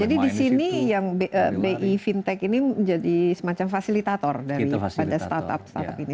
jadi di sini yang bi fintech ini jadi semacam fasilitator dari pada startup startup ini